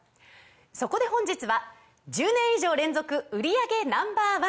そこで本日は１０年以上連続売り上げＮｏ．１